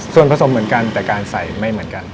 ส่วนผสมเหมือนกันแต่การใส่ไม่เหมือนกัน